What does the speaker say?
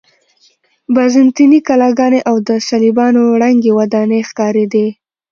بازنطیني کلاګانې او د صلیبیانو ړنګې ودانۍ ښکارېدې.